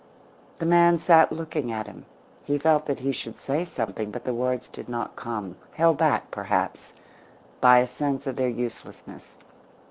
The man sat looking at him. He felt that he should say something, but the words did not come held back, perhaps, by a sense of their uselessness.